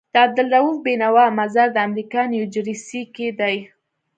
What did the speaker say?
د عبدالروف بينوا مزار دامريکا نيوجرسي کي دی